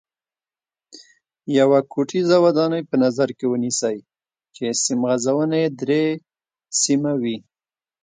یوه کوټیزه ودانۍ په نظر کې ونیسئ چې سیم غځونه یې درې سیمه وي.